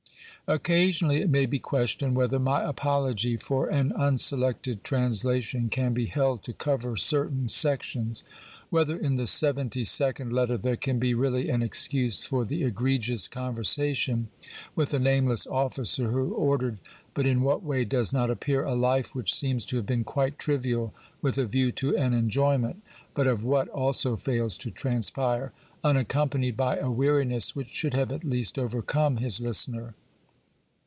Occasionally it may be questioned whether my apology CRITICAL INTRODUCTION xxxi for an unselected translation can be held to cover certain sections ; whether in the seventy second letter there can be really an excuse for the egregious conversation with a name less officer who ordered, but in what way does not appear, a life which seems to have been quite trivial with a view to an enjoyment, but of what also fails to transpire — un accompanied by a weariness which should have at least overcome his listener.